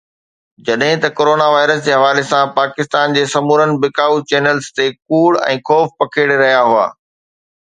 جڏهن ته corona virus جي حوالي سان پاڪستان جي سمورن بکائو چينلز تي ڪوڙ ۽ خوف پکيڙي رهيا هئا